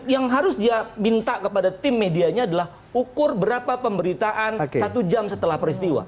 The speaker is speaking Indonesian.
yang harus dia minta kepada tim medianya adalah ukur berapa pemberitaan satu jam setelah peristiwa